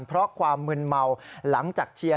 เพราะความมึนเมาหลังจากเชียร์